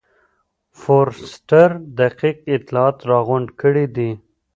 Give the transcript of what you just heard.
فورسټر دقیق اطلاعات راغونډ کړي دي.